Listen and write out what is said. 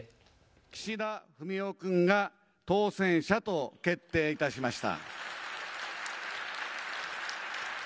岸田文雄君が当選者と決定いたしました。